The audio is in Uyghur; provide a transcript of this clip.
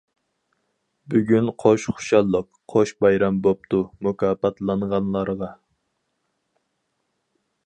بۈگۈن قوش خۇشاللىق، قوش بايرام بوپتۇ مۇكاپاتلانغانلارغا.